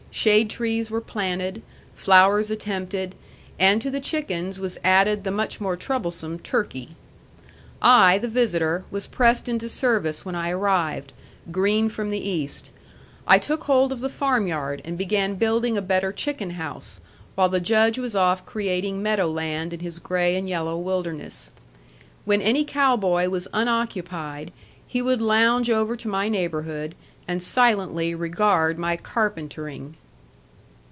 Shade trees were planted, flowers attempted, and to the chickens was added the much more troublesome turkey. I, the visitor, was pressed into service when I arrived, green from the East. I took hold of the farmyard and began building a better chicken house, while the Judge was off creating meadow land in his gray and yellow wilderness. When any cow boy was unoccupied, he would lounge over to my neighborhood, and silently regard my carpentering.